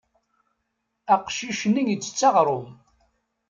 Aqcic-nni ittett aɣrum.